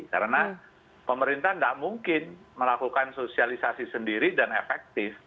karena pemerintah tidak mungkin melakukan sosialisasi sendiri dan efektif